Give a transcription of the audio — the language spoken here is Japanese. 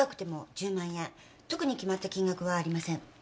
特に決まった金額はありません。